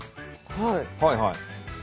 はいはい。